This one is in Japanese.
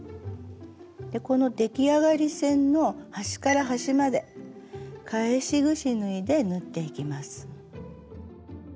この出来上がり線の端から端まで返しぐし縫いで縫っていきます。